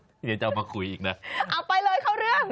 เอาไปเลยเข้าเรื่อง